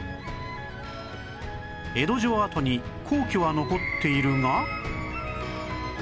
江戸城跡に皇居は残っているが